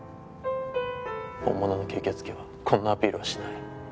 本物の吸血鬼はこんなアピールはしない。